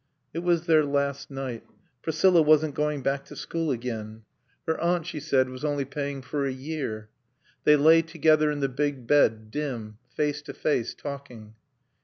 It was their last night. Priscilla wasn't going back to school again. Her aunt, she said, was only paying for a year. They lay together in the big bed, dim, face to face, talking.